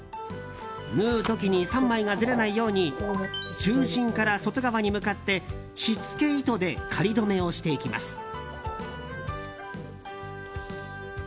縫う時に３枚がずれないように中心から外側に向かって仕付け糸で仮留めをしていきます。